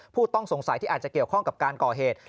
ผู้ต้องสงสัยที่อาจจะเกี่ยวข้องกับการก่อเหตุ